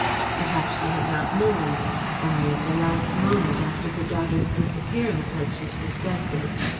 Perhaps she had not known only at the last moment, after her daughter's disappearance, had she suspected.